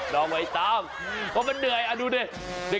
น้องไว้ตามเพราะมันเดื่อยดูดิ